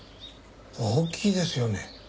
大きいですよね。